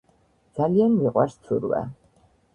ძალიან მიყვარს ცურვა